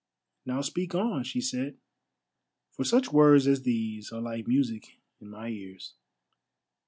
"Now speak on," she said, "for such words as these are like music in my ears."